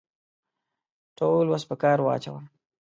ټول وس په کار واچاوه.